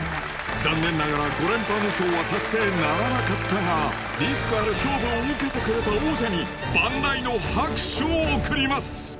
残念ながら５連覇無双は達成ならなかったがリスクある勝負を受けてくれた王者に万雷の拍手を送ります！